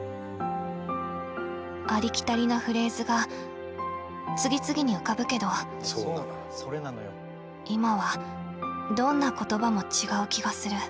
ありきたりなフレーズが次々に浮かぶけど今はどんな言葉も違う気がする。